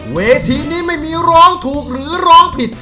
เวทีนี้ไม่มีร้องถูกหรือร้องผิด